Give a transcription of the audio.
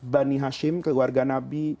bani hashim keluarga nabi